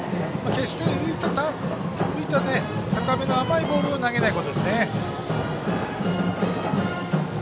決して浮いた高めの甘いボールを投げないことです。